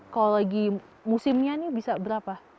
kalau lagi musimnya ini bisa berapa